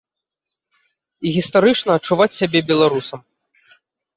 І гістарычна адчуваць сябе беларусам.